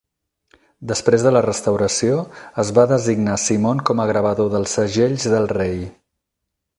Després de la Restauració, es va designar Simon com a gravador dels segells del rei.